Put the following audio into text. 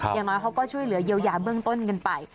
อย่างน้อยเขาก็ช่วยเหลือเยียวยาเบื้องต้นกันไป